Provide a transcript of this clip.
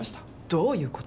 どういうこと？